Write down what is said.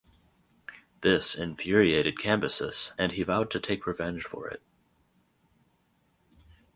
This infuriated Cambyses and he vowed to take revenge for it.